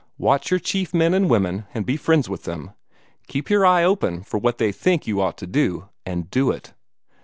Watch your chief men and women, and be friends with them. Keep your eye open for what they think you ought to do, and do it.